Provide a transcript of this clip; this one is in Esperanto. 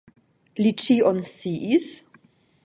Li ĉion sciis?